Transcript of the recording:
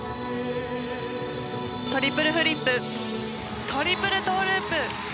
トリプルフリップトリプルトウループ。